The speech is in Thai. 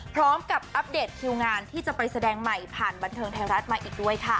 อัปเดตคิวงานที่จะไปแสดงใหม่ผ่านบันเทิงไทยรัฐมาอีกด้วยค่ะ